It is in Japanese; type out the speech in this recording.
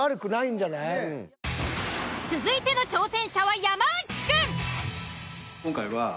続いての挑戦者は山内くん。